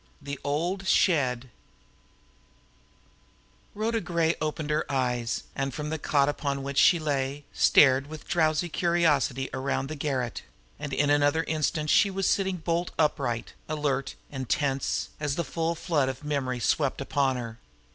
THE OLD SHED Rhoda Gray opened her eyes, and, from the cot upon which she lay, stared with drowsy curiosity around the garret and in another instant was sitting bolt upright, alert and tense, as the full flood of memory swept upon her.